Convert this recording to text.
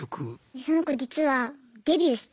その子実はデビューして。